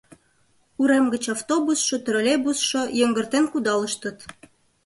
Урем гыч автобусшо, троллейбусшо йыҥгыртен кудалыштыт.